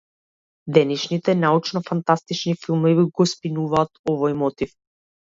Денешните научно-фантастични филмови го спинуваат овој мотив.